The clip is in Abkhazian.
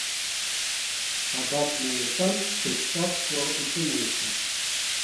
Абат наиртәан, дыҿҟьа-ҿҟьо иҿынеихеит.